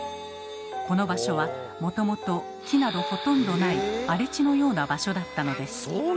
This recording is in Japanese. この場所はもともと木などほとんどない荒れ地のような場所だったのです。